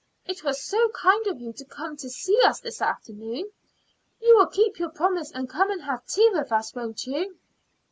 It was so kind of you to come to see us this afternoon. You will keep your promise and come and have tea with us, won't you?"